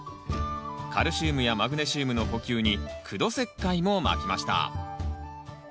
カルシウムやマグネシウムの補給に苦土石灰もまきました。